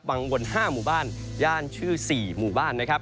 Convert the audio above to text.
วน๕หมู่บ้านย่านชื่อ๔หมู่บ้านนะครับ